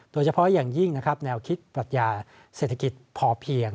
โดยเฉพาะอย่างยิ่งนะครับแนวคิดปรัชญาเศรษฐกิจพอเพียง